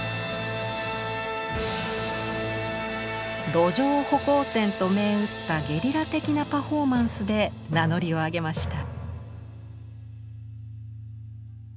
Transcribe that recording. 「路上歩行展」と銘打ったゲリラ的なパフォーマンスで名乗りを上げました。